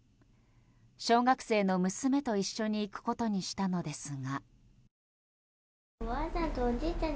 小学生の娘と一緒に行くことにしたのですが。